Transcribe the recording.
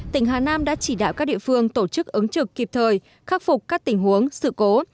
tỉnh hà nam đã chỉ đạo các địa phương tổ chức ứng trực kịp thời khắc phục các tình huống sự cố